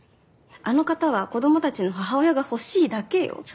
あの方は子供たちの母親が欲しいだけよ。